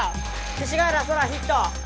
勅使河原空ヒット！